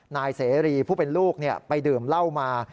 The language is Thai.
นายเสรีผู้เป็นลูกไปดื่มเหล้ามา